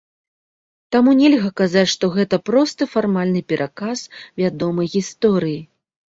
Таму нельга казаць, што гэта просты фармальны пераказ вядомай гісторыі.